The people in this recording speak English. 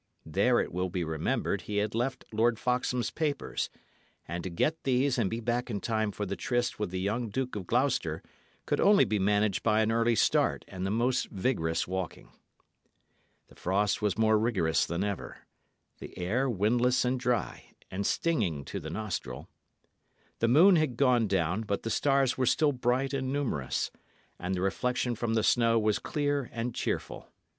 There, it will be remembered, he had left Lord Foxham's papers; and to get these and be back in time for the tryst with the young Duke of Gloucester could only be managed by an early start and the most vigorous walking. The frost was more rigorous than ever; the air windless and dry, and stinging to the nostril. The moon had gone down, but the stars were still bright and numerous, and the reflection from the snow was clear and cheerful.